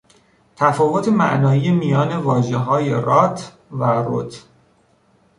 تفاوت معنایی میان واژههای "rut" و "rot"